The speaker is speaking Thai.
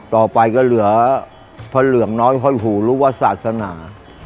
ต่อไปก็เหลือพระเหลืองน้อยห้อยหูหรือว่าศาสนา